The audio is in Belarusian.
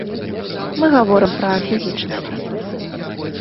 Мы гаворым пра фізічныя працэсы.